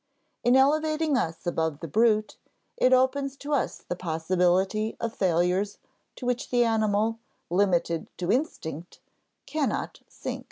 In elevating us above the brute, it opens to us the possibility of failures to which the animal, limited to instinct, cannot sink.